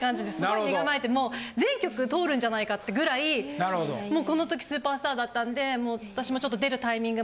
身構えてもう全局通るんじゃないかってぐらいもうこの時スーパースターだったんで私もちょっと。